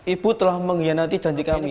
ibu telah mengkhianati janji kami